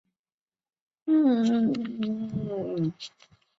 今天见到的是改建后的罗马剧场的遗迹。